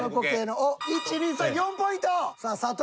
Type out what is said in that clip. おっ４ポイント！